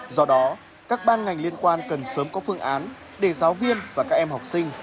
do đó các ban ngành liên quan cần sớm có phương án để giáo viên và các em học sinh